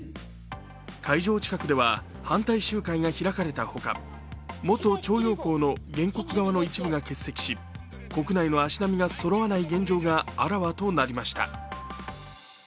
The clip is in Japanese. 会場近くでは反対集会が開かれたほか元徴用工の原告側の一部が欠席し国内の足並みがそろわない現状があらわとなりました。